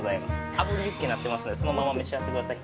あぶりユッケになってますのでそのまま召し上がってください。